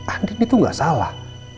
andin itu gak salah